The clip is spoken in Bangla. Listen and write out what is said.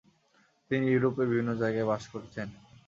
তিনি ইউরোপের বিভিন্ন জায়গায় বাস করেছেন।